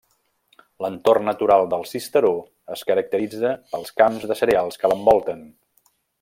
L'entorn natural de Sisteró es caracteritza pels camps de cereals que l'envolten.